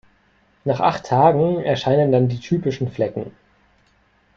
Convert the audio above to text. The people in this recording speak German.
Nach acht Tagen erscheinen dann die typischen Flecken.